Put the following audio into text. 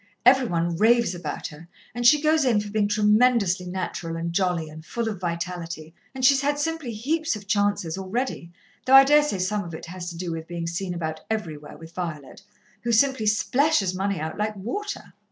Every one raves about her, and she goes in for being tremendously natural and jolly and full of vitality and she's had simply heaps of chances, already, though I daresay some of it has to do with being seen about everywhere with Violet, who simply splashes money out like water.